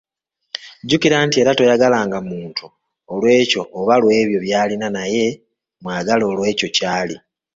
Jjukira nti era toyagalanga muntu olw'ekyo oba olw'ebyo by'alina naye mwagale olw'ekyo ky'ali.